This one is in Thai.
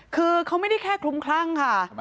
คือเขาไม่ได้แค่คลุมคลั่งค่ะ